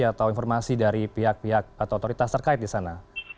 atau informasi dari pihak pihak atau otoritas terkait di sana